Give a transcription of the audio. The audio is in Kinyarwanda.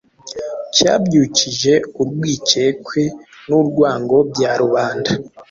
cyabyukije urwikekwe n’urwango bya rubanda.